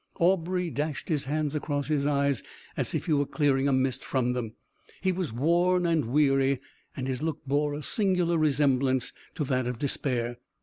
Aubrey dashed his hands across his eyes, as if he were clearing a mist from them. He was worn and weary, and his look bore a singular resemblance to that of despair.